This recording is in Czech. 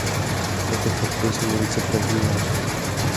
Tato fakta jsou velice pravdivá.